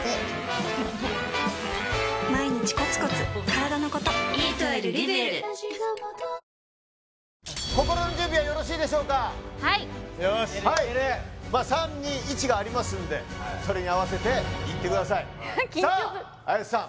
毎日コツコツからだのこと心の準備はよろしいでしょうかはいよーし３２１がありますんでそれに合わせていってくださいさあ綾瀬さん